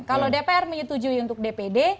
kalau dpr menyetujui untuk dpd